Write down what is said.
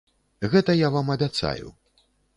Гэта я вам абяцаю.